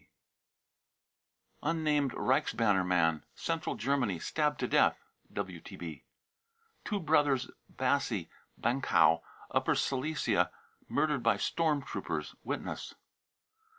{WTB.) unnamed reichsbanner man, Central Germany, stabbed to death. {WTB.) two brothers bassy, Bankau, Upper Silesia, murdered by storm troopers. (Witness.)